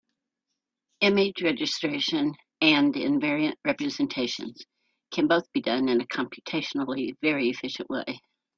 Image registration and invariant representations could both be done in a computationally very efficient way.